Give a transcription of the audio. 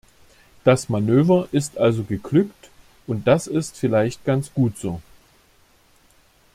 Das Manöver ist also geglückt, und das ist vielleicht ganz gut so.